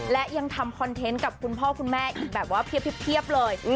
และยังทำคอนเทนต์กับคุณพ่อคุณแม่อีกแบบว่าเพียบเลย